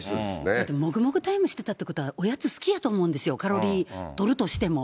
だってもぐもぐタイムしてたってことは、おやつ好きやと思うんですよ、カロリーとるとしても。